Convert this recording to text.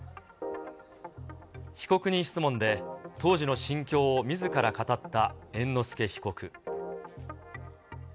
被告人質問で、当時の心境をみずから語った猿之助被告。